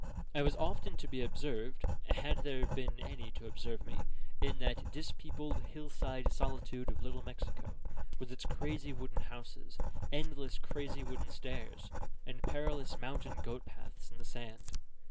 I was often to be observed (had there been any to observe me) in that dis peopled, hill side solitude of Little Mexico, with its crazy wooden houses, endless crazy wooden stairs, and perilous mountain goat paths in the sand.